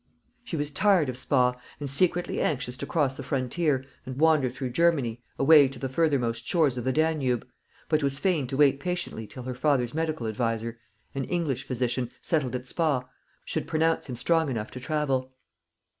She was tired of Spa, and secretly anxious to cross the frontier, and wander through Germany, away to the further most shores of the Danube; but was fain to wait patiently till her father's medical adviser an English physician, settled at Spa should pronounce him strong enough to travel.